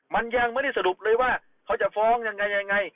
มันยังไม่ได้สรุปเลยว่าเขาจะฟ้องยังไงยังไง